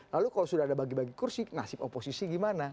lalu kalau sudah ada bagi bagi kursi nasib oposisi gimana